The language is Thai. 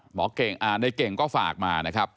หมอเก่งในเก่งก็ฝากมานะครับ